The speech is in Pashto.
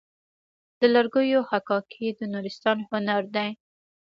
د لرګیو حکاکي د نورستان هنر دی.